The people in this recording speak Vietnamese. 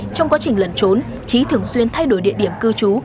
trong quá trình lẩn trốn trí thường xuyên thay đổi địa điểm cư trú